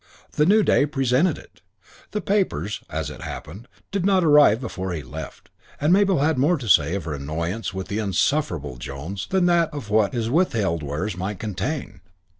The new day presented it. The papers, as it happened, did not arrive before he left, and Mabel had more to say of her annoyance with the insufferable Jones than of what his withheld wares might contain.